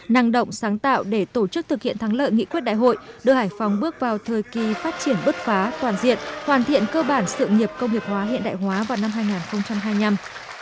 năng động sáng tạo để tổ chức thực hiện thắng lợi nghị quyết đại hội đưa hải phòng bước vào thời kỳ phát triển bất phá toàn diện hoàn thiện cơ bản sự nghiệp công nghiệp hóa hiện đại hóa vào năm hai nghìn hai mươi năm